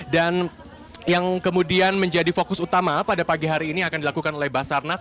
dan yang kemudian menjadi fokus utama pada pagi hari ini akan dilakukan oleh basarnas